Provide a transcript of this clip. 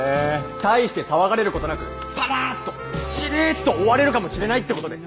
大して騒がれることなくさらっとしれっと終われるかもしれないってことです！